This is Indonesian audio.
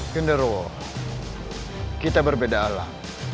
kinderwo kita berbeda alam